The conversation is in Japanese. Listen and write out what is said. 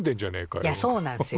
いやそうなんすよ。